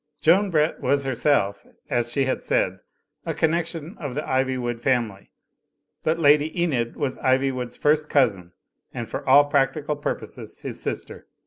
Joan Brett was herself, as she had said, a connection of the Ivywood family; but Lady Enid was Ivy wood's first cousin, and for all practical purposes his sister.